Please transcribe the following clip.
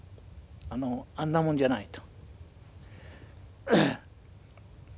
あんなもんじゃないと。